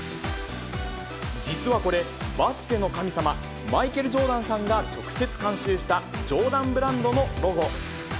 実はこれ、バスケの神様、マイケル・ジョーダンさんが直接監修したジョーダンブランドのロゴ。